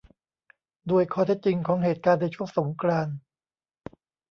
ด้วยข้อเท็จจริงของเหตุการณ์ในช่วงสงกรานต์